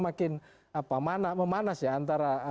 makin memanas ya antara